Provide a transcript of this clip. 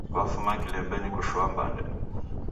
Wafuma kilembenyi kushoa mbande